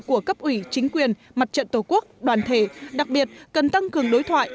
của cấp ủy chính quyền mặt trận tổ quốc đoàn thể đặc biệt cần tăng cường đối thoại